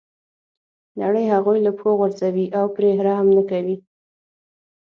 نړۍ هغوی له پښو غورځوي او پرې رحم نه کوي.